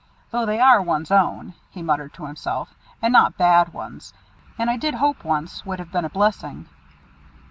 Though they are one's own," he muttered to himself, "and not bad ones, and I did hope once would have been a blessing."